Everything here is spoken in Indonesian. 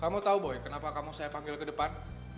kamu tahu boy kenapa kamu saya panggil ke depan